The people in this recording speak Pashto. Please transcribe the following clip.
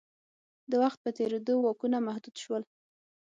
د وخت په تېرېدو واکونه محدود شول.